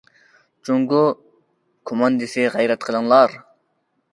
جۇڭگو كوماندىسى غەيرەت قىلىڭلار!